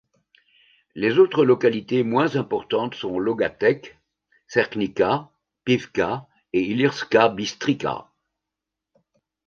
Les autres localités moins importantes sont Logatec, Cerknica, Pivka et Ilirska Bistrica.